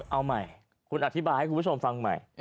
เอาใหม่คุณอธิบายให้คุณผู้ชมฟังใหม่